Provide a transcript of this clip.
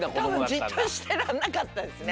たぶんじっとしてらんなかったですね。